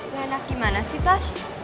gak enak gimana sih tash